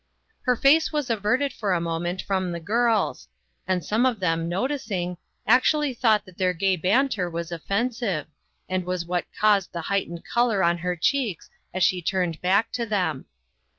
Her face was averted for a moment from the girls, and some of them, noticing, actu ally thought that their gay banter was of fensive, and was what caused the heightened color on her cheeks as she turned back to them.